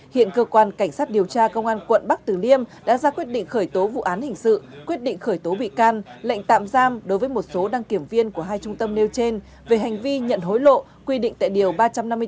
hiện cơ quan cảnh sát điều tra công an quận bắc tử liêm đã ra quyết định khởi tố vụ án hình sự quyết định khởi tố bị can lệnh tạm giam đối với một số đăng kiểm viên của hai trung tâm nêu trên về hành vi nhận hối lộ quy định tại điều ba trăm năm mươi bốn